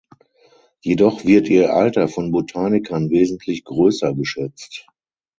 Jedoch wird ihr Alter von Botanikern wesentlich größer geschätzt.